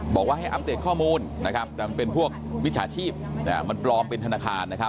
บอกว่าให้อัปเดตข้อมูลเป็นพวกวิชาชีพมันปลอมเป็นธนาคาร